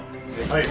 はい。